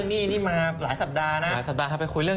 นี่ไม่เอาค่ะก็ก่อน